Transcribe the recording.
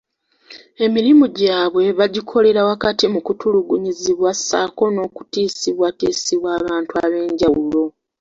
Emirimu gyabwe bakikolera wakati mu kutulugunyizibwa ssaako n'okutiisibwatiisibwa abantu ab'enjawulo.